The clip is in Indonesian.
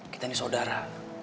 kita ini saudara